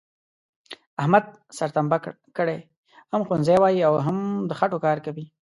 احمد سر تمبه کړی، هم ښوونځی وایي او هم د خټوکار کوي،